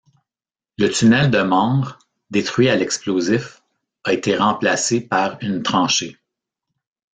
Le tunnel de Manre, détruit à l'explosif, a été remplacé par une tranchée.